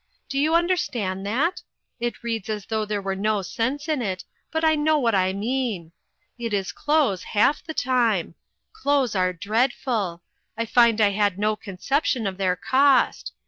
Do you understand that? It reads as though there were no sense in it; but I know what I mean. It is clothes, half of the time. Clothes are dreadful ! I find I had no conception of their cost.